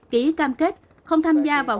ký cam kết không tham gia vào